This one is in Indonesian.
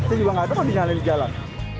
saya juga nggak tahu kalau dinyalain jalan